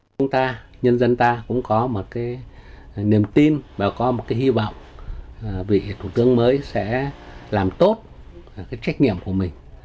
chúng ta nhân dân ta cũng có một cái niềm tin và có một cái hy vọng vị thủ tướng mới sẽ làm tốt cái trách nhiệm của mình